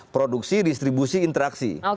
produksi distribusi interaksi